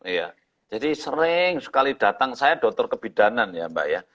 iya jadi sering sekali datang saya dokter kebidanan ya mbak ya